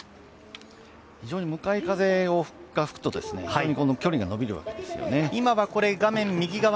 非常に向かい風が吹くと、距離が延びるわけですよね。